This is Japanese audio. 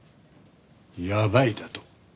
やばいだと？